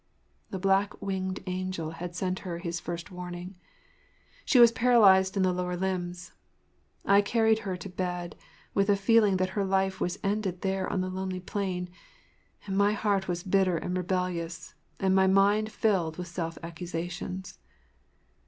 The black winged angel had sent her his first warning. She was paralyzed in the lower limbs. I carried her to her bed with a feeling that her life was ended there on the lonely plain, and my heart was bitter and rebellious and my mind filled with self accusations.